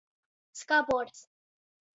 Skabors.